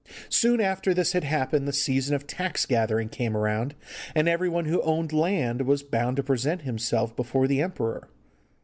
Soon after this had happened the season of tax gathering came round, and everyone who owned land was bound to present himself before the emperor.